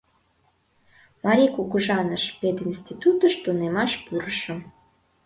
Марий кугыжаныш пединститутыш тунемаш пурышым.